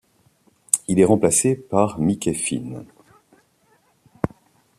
Il est remplacé par Mickey Finn.